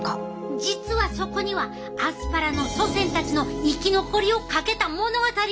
実はそこにはアスパラの祖先たちの生き残りをかけた物語があってん。